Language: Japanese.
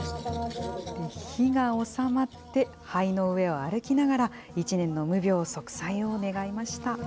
火が収まって、灰の上を歩きながら、１年の無病息災を願いました。